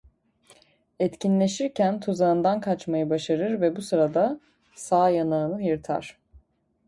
Etkinleşirken tuzağından kaçmayı başarır ve bu sırada sağ yanağını yırtar.